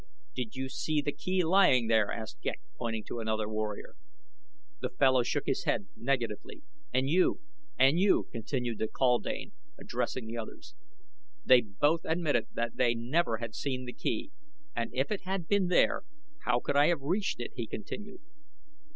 "Did you see the key lying there?" asked Ghek, pointing to another warrior. The fellow shook his head negatively. "And you? and you?" continued the kaldane addressing the others. They both admitted that they never had seen the key. "And if it had been there how could I have reached it?" he continued.